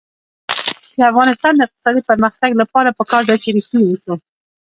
د افغانستان د اقتصادي پرمختګ لپاره پکار ده چې ریښتیني اوسو.